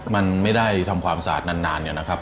มันไม่ได้ทำความสาดนานอย่างนี้นะครับ